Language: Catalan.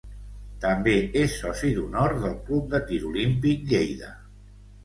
També és soci d'honor del Club de Tir Olímpic Lleida.